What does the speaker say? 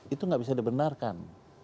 itu gak bisa dibenarkan